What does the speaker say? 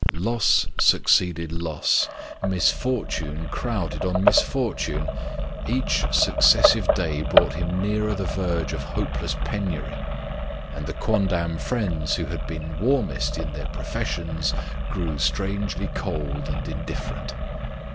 Loss succeeded loss ; misfortune crowded on misfortune ; each suc cessive day brought him nearer the verge of hopeless penury, and the quondam friends who had been warmest in their professions, grew strangely cold and indifferent.